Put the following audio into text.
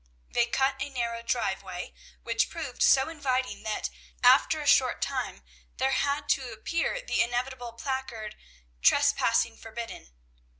They cut a narrow driveway, which proved so inviting that, after a short time, there had to appear the inevitable placard, "Trespassing forbidden."